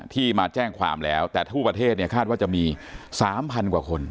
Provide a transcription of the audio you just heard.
ที่มาแจ้งความแล้วแต่ทั่วประเทศเนี่ยคาดว่าจะมี๓๐๐กว่าคน